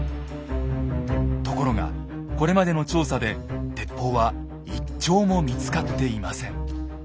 ところがこれまでの調査で鉄砲は１丁も見つかっていません。